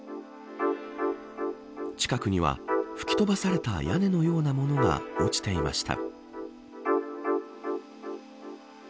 近くには吹き飛ばされた屋根のようなものが落ちていました。